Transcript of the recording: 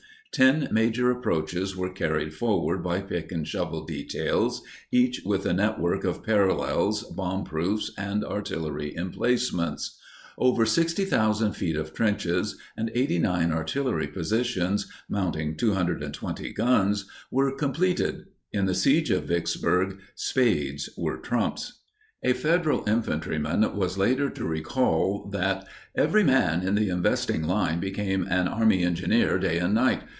Ten major approaches were carried forward by pick and shovel details, each with a network of parallels, bomb proofs, and artillery emplacements. Over 60,000 feet of trenches and 89 artillery positions, mounting 220 guns, were completed. In the siege of Vicksburg "Spades were trumps." A Federal infantryman was later to recall that Every man in the investing line became an army engineer day and night.